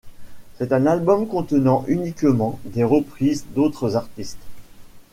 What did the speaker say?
C'est un album contenant uniquement des reprises d'autres artistes.